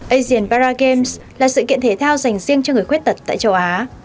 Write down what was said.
asian para games là sự kiện thể thao dành riêng cho người khuyết tật tại châu á